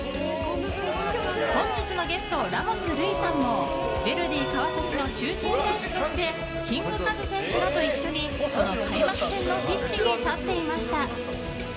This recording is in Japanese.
本日のゲスト、ラモス瑠偉さんもヴェルディ川崎の中心選手としてキングカズ選手らと一緒にその開幕戦のピッチに立っていました。